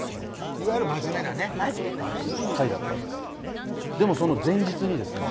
いわゆる真面目なねパーティーでへぇでもその前日にですね